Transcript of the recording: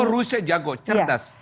oh rusia jago cerdas